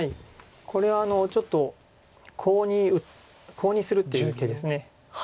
これちょっとコウにコウにするっていう手です。